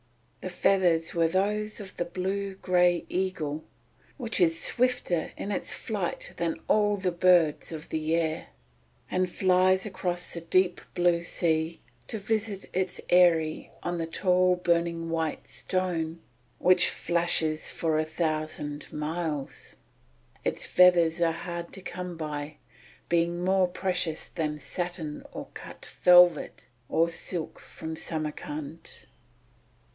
The feathers were those of the blue grey eagle, which is swifter in its flight than all the birds of the air, and flies across the deep blue sea to visit its eyrie on the tall burning white stone which flashes for a thousand miles. Its feathers are hard to come by, being more precious than satin or cut velvet, or silk from Samarcand."